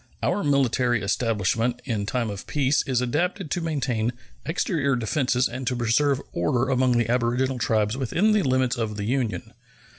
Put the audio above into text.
Our military establishment in time of peace is adapted to maintain exterior defenses and to preserve order among the aboriginal tribes within the limits of the Union.